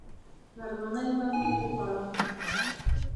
غرمنۍ به مې وخوړه.